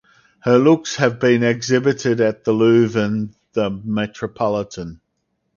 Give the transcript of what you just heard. Her looks has been exhibited at The Louvre and The Metropolitan.